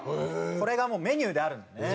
これがもうメニューであるんですね。